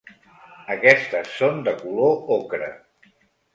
Aquestes són de color ocre.